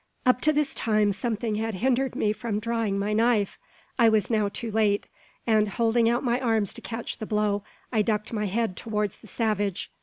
Up to this time something had hindered me from drawing my knife. I was now too late; and, holding out my arms to catch the blow, I ducked my head towards the savage.